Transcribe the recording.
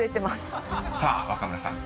［さあ若村さん